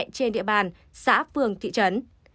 trên địa bàn xã phường thị trấn